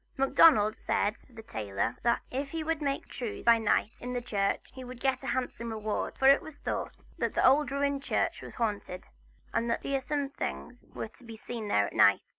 Macdonald had said to the tailor that if he would make the trews by night in the church he would get a handsome reward. For it was thought that the old ruined church was haunted, and that fearsome things were to be seen there at night.